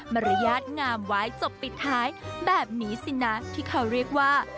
รยาทงามไว้จบปิดท้ายแบบนี้สินะที่เขาเรียกว่า